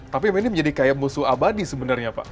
tapi ini menjadi kayak musuh abadi sebenarnya pak